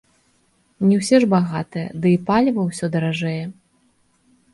Не ўсе ж багатыя, ды й паліва ўсё даражэе.